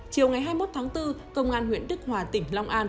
chiều ngày hai mươi một tháng bốn công an huyện đức hòa tỉnh long an